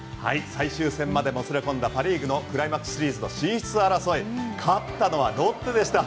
最終戦までもつれ込んだパ・リーグのクライマックスシリーズ進出争い勝ったのはロッテでした。